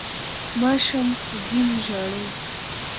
ـ ما شمس الدين ژاړو